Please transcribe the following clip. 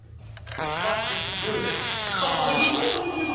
バッチグーです。